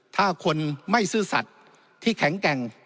ถ้าคนไม่ซื่อสัตว์ที่แข็งแกร่ง